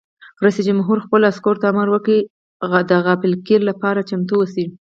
رئیس جمهور خپلو عسکرو ته امر وکړ؛ د غافلګیرۍ لپاره چمتو اوسئ!